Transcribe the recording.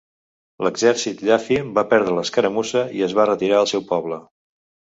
L'exèrcit Ilafy va perdre l'escaramussa i es va retirar al seu poble.